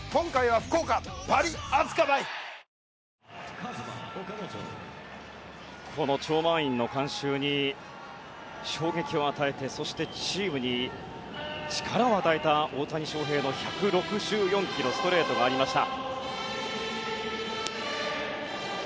あこの超満員の観衆に衝撃を与えてそしてチームに力を与えた大谷翔平の１６４キロストレートがありました。